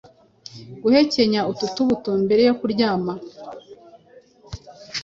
Guhekenya utu tubuto mbere yo kuryama